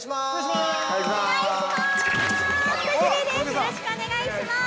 ◆よろしくお願いします。